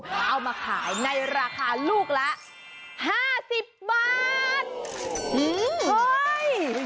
แล้วเอามาขายในราคาลูกละ๕๐บาท